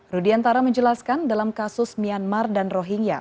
rudiantara menjelaskan dalam kasus myanmar dan rohingya